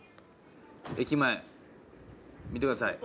駅前見てください。